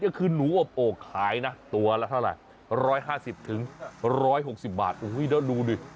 ก็คือหนูอบโอ่งขายนะตัวละเท่าไหร่๑๕๐๑๖๐บาทโอ้โหแล้วดูดิ